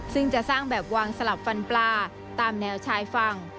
ซึ่งจะสร้างแบบวางสลับฟันปลาตามแนวชายฝั่ง